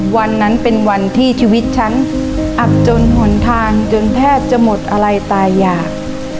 วันนั้นเป็นวันที่ชีวิตฉันอับจนหนทางจนแทบจะหมดอะไรตายอยาก